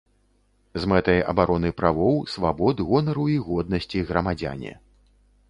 З мэтай абароны правоў, свабод, гонару і годнасці грамадзяне.